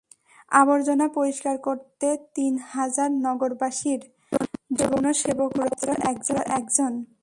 আবর্জনা পরিষ্কার করতে তিন হাজার নগরবাসীর জন্য সেবক রয়েছেন মাত্র একজন।